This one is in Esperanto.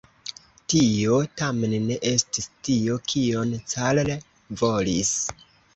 Tio tamen ne estis tio kion Carl volis.